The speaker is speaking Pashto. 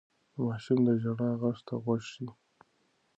د ماشوم د ژړا غږ ته غوږ شئ.